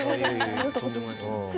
ありがとうございます。